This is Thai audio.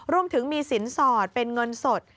รวมถึงมีสินสอดเป็นเงินสด